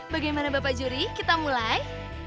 bagaimana bapak juri kita mulai